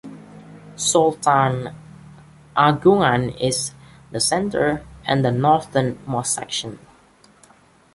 Sultan Agungan is at the centre - and the northern most section.